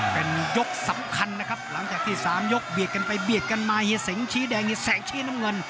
เป็นยกสำคัญนะครับหลังจากที่๓ยกเบียดกันไปเบียดกันมา